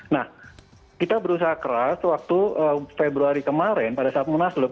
nah kita berusaha keras waktu februari kemarin pada saat munaslup